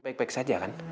baik baik saja kan